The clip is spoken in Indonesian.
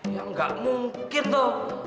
ya gak mungkin toh